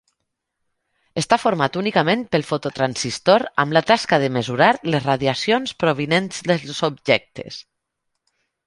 Està format únicament pel fototransistor amb la tasca de mesurar les radiacions provinents dels objectes.